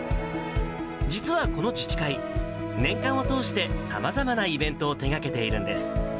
実はこの自治会、年間を通してさまざまなイベントを手がけているんです。